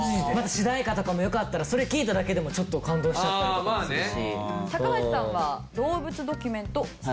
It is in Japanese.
主題歌とかもよかったらそれ聴いただけでもちょっと感動しちゃったりとかもするし。